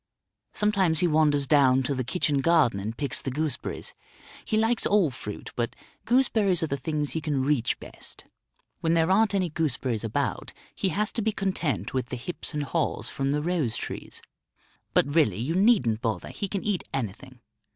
Sometimes he wanders down to the kitchen garden and picks the gooseberries; he likes all fruit, but gooseberries are the things he can reach best. When there aren't any gooseberries about, he has to be content with the hips and haws from the rose trees. But really, you needn't bother, he can eat anything.